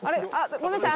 ごめんなさい。